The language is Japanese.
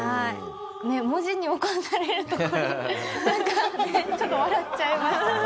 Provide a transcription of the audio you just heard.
文字に起こされるとこれなんかねちょっと笑っちゃいますね。